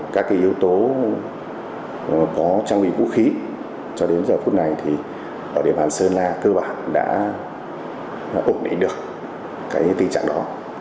các yếu tố có trang bị vũ khí cho đến giờ phút này thì ở địa bàn sơn la cơ bản đã ổn định được tình trạng đó